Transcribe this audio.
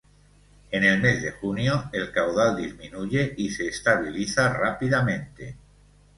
En el mes de junio el caudal disminuye y se estabiliza rápidamente.